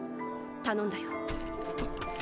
頼んだよ。